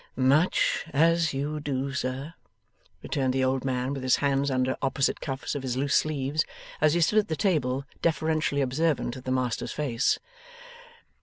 'Much as you do, sir,' returned the old man, with his hands under opposite cuffs of his loose sleeves, as he stood at the table, deferentially observant of the master's face.